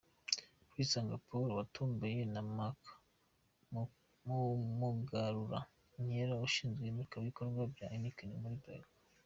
Kwisanga Paul watomboye na Mark Mugarura Nkera ushinzwe imurikabikorwa bya Heineken muri Bralirwa .